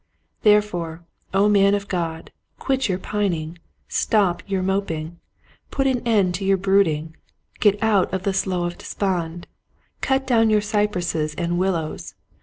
Therefore, O man of God, quit your pining. Stop your moping. Put an end to your brooding. Get out of the slough of despond. Cut down your cypresses and willows.